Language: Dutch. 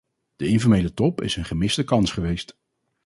De informele top is een gemiste kans geweest.